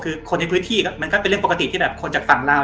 คือคนในพื้นที่มันก็เป็นเรื่องปกติที่แบบคนจากฝั่งเรา